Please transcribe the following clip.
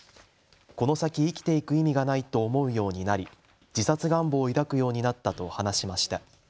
この先、生きていく意味がないと思うようになり自殺願望を抱くようになったと話しました。